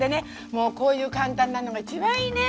もうこういう簡単なのが一番いいね。